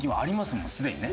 もんすでにね。